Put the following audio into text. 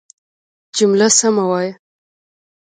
جمله سمه وايه!